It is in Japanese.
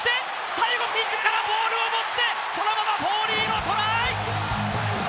最後自らボールを持ってそのままフォーリーはトライ！